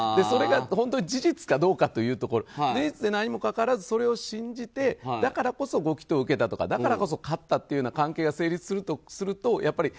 それが本当に事実がどうかというところ事実でないにもかかわらずそれを信じてだからこそご祈祷を受けたとかだからこそ買ったとかの関係が成立するとするとぎ